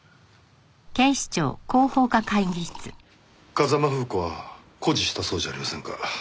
風間楓子は固辞したそうじゃありませんか。